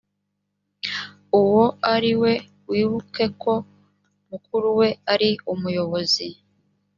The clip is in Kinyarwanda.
uwo ari we wibuke ko mu nkuru we ari umuyobozi